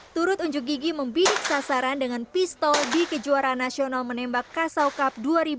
turut unjuk gigi membidik sasaran dengan pistol di kejuaraan nasional menembak kasau cup dua ribu dua puluh